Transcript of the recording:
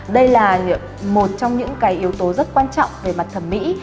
đây là một trong những cái yếu tố rất quan trọng về mặt thẩm mỹ